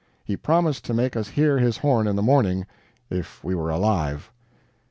He promised to make us hear his horn in the morning, if we were alive.